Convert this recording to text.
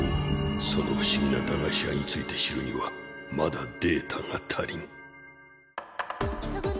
その不思議な駄菓子屋について知るにはまだデータが足りん。